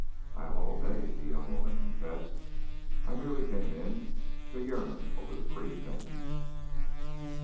"I have all day," the young woman confessed. "I merely came in to yearn over the pretty things."